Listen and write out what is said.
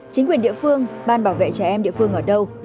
chính quyền địa phương ban bảo vệ trẻ em địa phương ở đâu